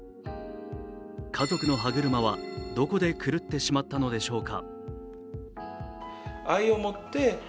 家族の歯車はどこで狂ってしまったのでしょうか。